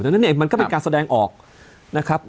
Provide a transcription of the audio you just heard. แล้วนี่เองมันก็เป็นการแสดงออกนะครับ